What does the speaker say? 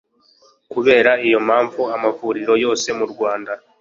kubera iyo mpamvu amavuriro yose mu rwanda